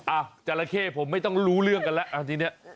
อ่ะจัลละเคผมไม่ต้องรู้เรื่องกันแล้วอันนี้เนี้ย